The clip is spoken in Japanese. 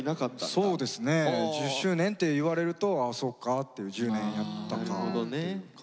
そうですね１０周年っていわれるとあそっかっていう１０年やったかっていう感じですね。